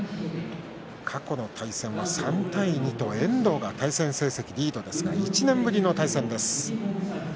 過去の対戦は３対２と遠藤が対戦成績リードですが１年ぶりの対戦です。